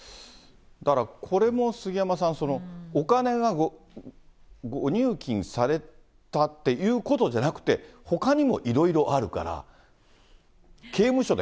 だからこれも杉山さん、お金が誤入金されたっていうことじゃなくて、ほかにもいろいろあるから。